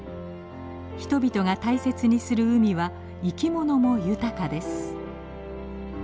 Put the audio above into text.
人々が大切にする海は生き物も豊かです。